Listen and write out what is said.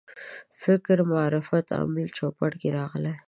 فکر معرفت عامل چوپړ کې راغلي.